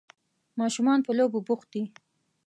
ماشومان په لوبو بوخت دي.